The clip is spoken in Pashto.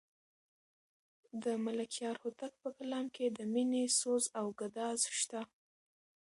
د ملکیار هوتک په کلام کې د مینې سوز او ګداز شته.